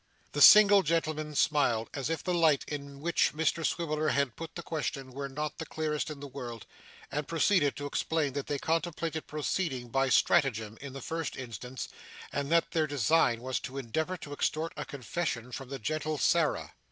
The single gentleman smiled as if the light in which Mr Swiveller had put the question were not the clearest in the world, and proceeded to explain that they contemplated proceeding by stratagem in the first instance; and that their design was to endeavour to extort a confession from the gentle Sarah.